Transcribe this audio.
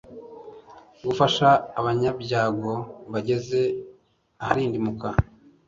gufasha abanyabyago bageze aharindimuka